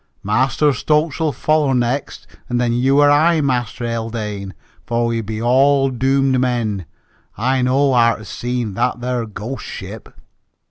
"Master Stokes'll foller next, and then you or hi, Master Haldane, for we be all doomed men, I know, arter seein' that there ghost ship!"